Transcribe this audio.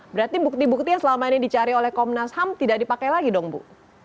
berarti bukti bukti yang selama ini dicari oleh komnas ham tidak dipakai lagi dong bu